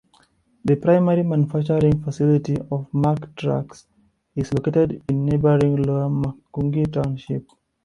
The primary manufacturing facility of Mack Trucks is located in neighboring Lower Macungie Township.